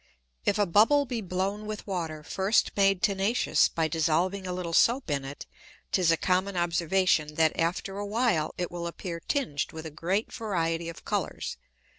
If a Bubble be blown with Water first made tenacious by dissolving a little Soap in it, 'tis a common Observation, that after a while it will appear tinged with a great variety of Colours.